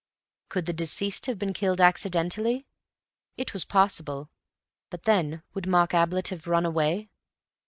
Could the deceased have been killed accidentally? It was possible, but then would Mark Ablett have run away?